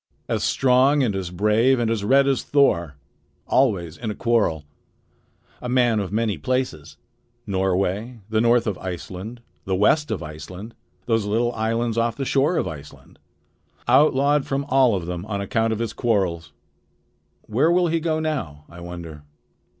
"As strong and as brave and as red as Thor! Always in a quarrel. A man of many places Norway, the north of Iceland, the west of Iceland, those little islands off the shore of Iceland. Outlawed from all of them on account of his quarrels. Where will he go now, I wonder?"